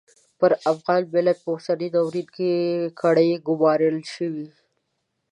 پر افغان ملت په اوسني ناورین کې کړۍ ګومارل شوې.